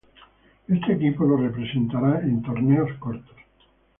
Este equipo los representara en torneos cortos.